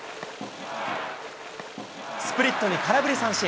スプリットに空振り三振。